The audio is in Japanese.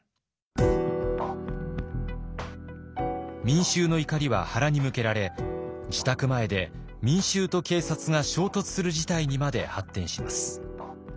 民衆の怒りは原に向けられ自宅前で民衆と警察が衝突する事態にまで発展します。